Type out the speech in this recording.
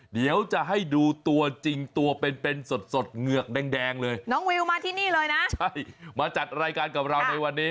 เดี๋ยวจะให้ดูตัวจริงตัวเป็นเป็นสดเหงือกแดงเลยน้องวิวมาที่นี่เลยนะใช่มาจัดรายการกับเราในวันนี้